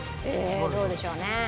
どうでしょうね？